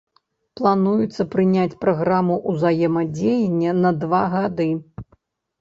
Плануецца прыняць праграму ўзаемадзеяння на два гады.